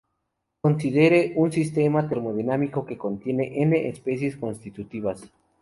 Considere un sistema termodinámico que contiene "n" especies constitutivas.